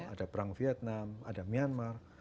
ada perang vietnam ada myanmar